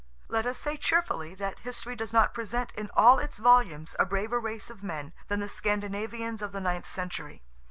Let us say cheerfully, that history does not present in all its volumes a braver race of men than the Scandinavians of the ninth century.